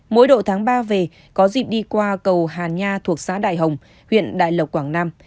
mỗi độ tháng ba về có dịp đi qua cầu hàn nha thuộc xã đại hồng huyện đại lộc quảng nam